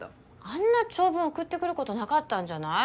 あんな長文送ってくることなかったんじゃない？